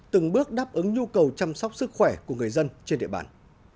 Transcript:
từng bước đáp ứng nhu cầu chăm sóc sức khỏe của người dân trên địa bàn